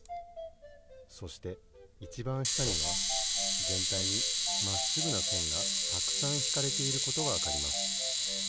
そしていちばんしたにはぜんたいにまっすぐなせんがたくさんひかれていることがわかります。